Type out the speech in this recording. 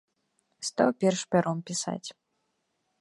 Стаў перш пяром пісаць.